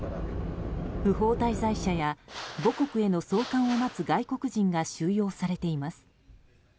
不法滞在者や母国への送還を待つ外国人が収容されています。